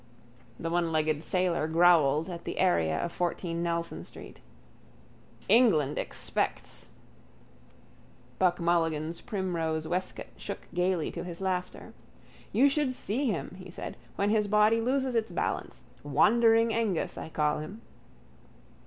The onelegged sailor growled at the area of 14 Nelson street: —England expects... Buck Mulligan's primrose waistcoat shook gaily to his laughter. —You should see him, he said, when his body loses its balance. Wandering Ængus I call him.